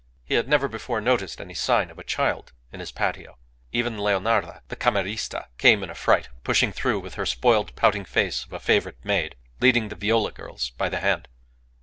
He had never before noticed any sign of a child in his patio. Even Leonarda, the camerista, came in a fright, pushing through, with her spoiled, pouting face of a favourite maid, leading the Viola girls by the hand.